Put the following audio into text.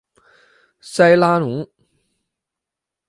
塞拉农。